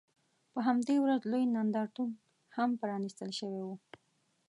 په همدې ورځ لوی نندارتون هم پرانیستل شوی و.